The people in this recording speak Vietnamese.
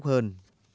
hạnh phúc hơn